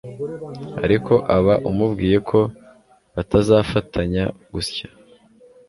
ariko aba umubwiye ko batazafatanya gusya